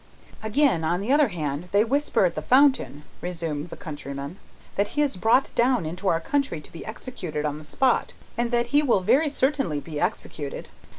"Again; on the other hand, they whisper at the fountain," resumed the countryman, "that he is brought down into our country to be executed on the spot, and that he will very certainly be executed.